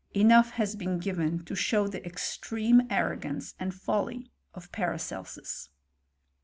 Enough has been given to show the extreme arrogance and folly of Paracelsus.